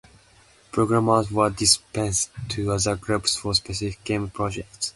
Programmers were dispensed to other groups for specific game projects.